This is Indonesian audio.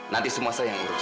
nanti semua saya yang urus